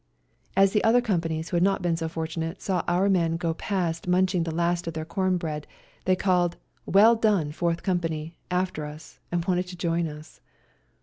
As the other companies who had not been so fortunate saw our men go past munching the last of their corn meal bread they called, "Well done. Fourth Company!" after us, and wanted to join us.